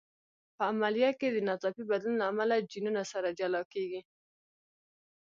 په عملیه کې د ناڅاپي بدلون له امله جینونه سره جلا کېږي.